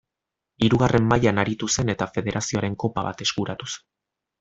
Hirugarren mailan aritu zen eta Federazioaren Kopa bat eskuratuz.